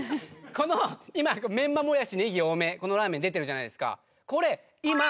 この今メンマもやし・ねぎ多めこのラーメン出てるじゃないですか